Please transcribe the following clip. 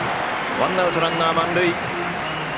ワンアウトランナー満塁。